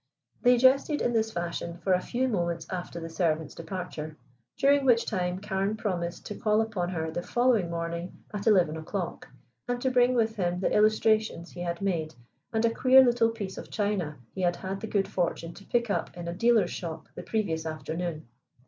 They jested in this fashion for a few moments after the servant's departure, during which time Carne promised to call upon her the following morning at eleven o'clock, and to bring with him the illustrations he had made and a queer little piece of china he had had the good fortune to pick up in a dealer's shop the previous afternoon.